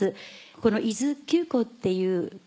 この伊豆急行っていう。